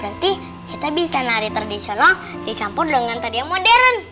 berarti kita bisa lari tradisional disampur dengan tarian modern